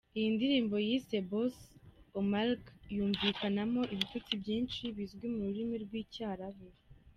Iyi ndirimbo yise "Bos Omak" yumvikanamo ibitutsi byinshi bizwi mu rurimi rw’Icyarabu.